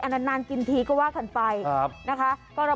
อนาจนานกินทีก็ว่ะกันไปนะครับ